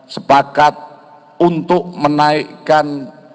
sepakat untuk menaikkan